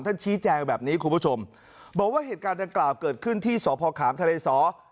ชี้แจงแบบนี้คุณผู้ชมบอกว่าเหตุการณ์ดังกล่าวเกิดขึ้นที่สพขามทะเลสอ